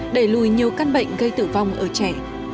đẩy lùi nhiều căn bệnh gây tử vong ở trẻ